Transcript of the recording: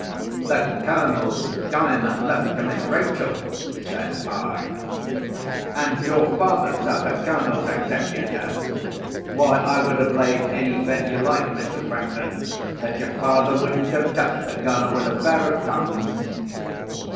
"The Colonel's Diamond left to Miss Rachel!" says I. "And your father, sir, the Colonel's executor! Why, I would have laid any bet you like, Mr. Franklin, that your father wouldn't have touched the Colonel with a pair of tongs!"